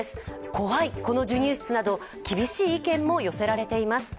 怖い、この授乳室など、厳しい意見も寄せられています。